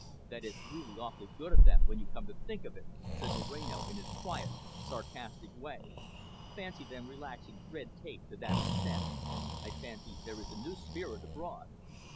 "That is really awfully good of them, when you come to think of it," said Moreno in his quiet, sarcastic way. "Fancy them relaxing red tape to that extent! I fancy there is a new spirit abroad."